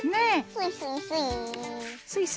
スイスイスイー。